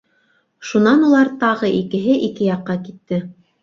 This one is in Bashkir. Шунан улар тағы икеһе ике яҡҡа китте.